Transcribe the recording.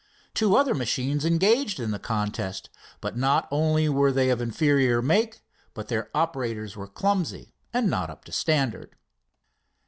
Two other machines engaged in the contest, but not only were they of inferior make, but their operators were clumsy and not up to standard.